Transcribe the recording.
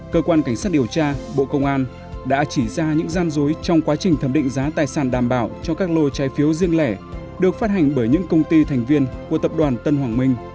cơ quan cảnh sát điều tra bộ công an đã chỉ ra những gian dối trong quá trình thẩm định giá tài sản đảm bảo cho các lô trái phiếu riêng lẻ được phát hành bởi những công ty thành viên của tập đoàn tân hoàng minh